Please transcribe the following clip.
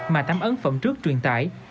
mà thám ấn phẩm trước truyền tải